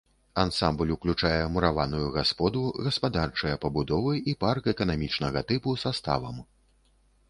Ансамбль уключае мураваную гасподу, гаспадарчыя пабудовы і парк эканамічнага тыпу са ставам.